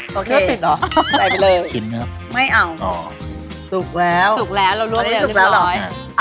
โคตรหญิกหรอเกษตรขินข้อไม่เอาสุกแล้วสุกแล้วเรารวยแล้วเรียบร้อย